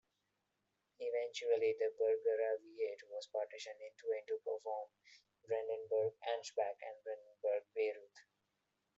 Eventually, the burgraviate was partitioned in twain, to form Brandenburg-Ansbach and Brandenburg-Bayreuth.